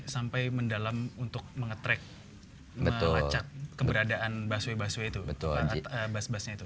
sampai mendalam untuk menge track melacak keberadaan busway busway itu